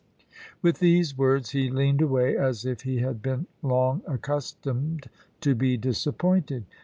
With these words he leaned away, as if he had been long accustomed to be disappointed.